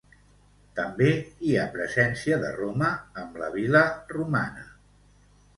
També hi ha presència de Roma, amb la vil·la romana.